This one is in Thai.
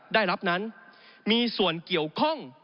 ได้รับนั้นมีส่วนเกี่ยวข้อง